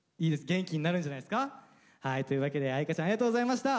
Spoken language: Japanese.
元気になるんじゃないですか。というわけで愛華ちゃんありがとうございました。